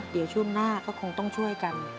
เดี๋ยวช่วงหน้าก็คงต้องช่วยกัน